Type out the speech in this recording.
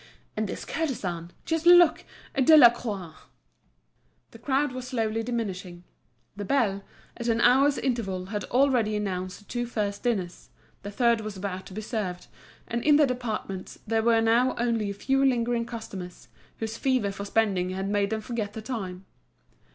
"And this Kurdestan! Just look, a Delacroix!" The crowd was slowly diminishing. The bell, at an hour's interval, had already announced the two first dinners; the third was about to be served, and in the departments there were now only a few lingering customers, whose fever for spending had made them forget the time.